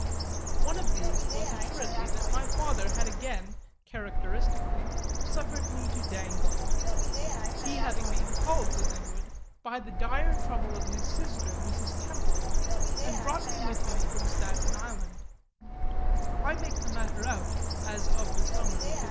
One of these was assuredly that my father had again, characteristically, suffered me to dangle; he having been called to Linwood by the dire trouble of his sister, Mrs. Temple, and brought me with him from Staten Island I make the matter out as of the summer of '54.